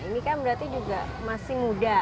ini kan berarti juga masih muda